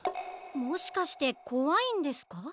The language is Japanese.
もしかしてこわいんですか？